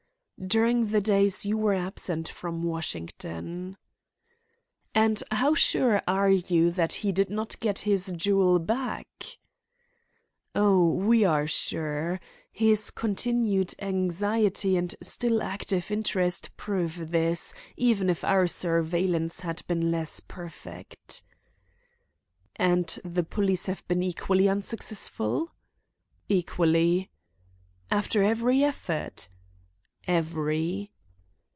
"During the days you were absent from Washington." "And how sure are you that he did not get this jewel back?" "Oh, we are sure. His continued anxiety and still active interest prove this, even if our surveillance had been less perfect." "And the police have been equally unsuccessful?" "Equally." "After every effort?" "Every."